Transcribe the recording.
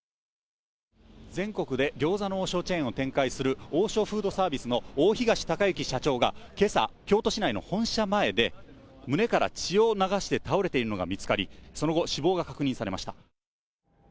全国で餃子の王将チェーンを展開する王将フードサービスの大東隆行社長がけさ、京都市内の本社前で、胸から血を流して倒れているのが見つかり、その後、死亡が確認されました。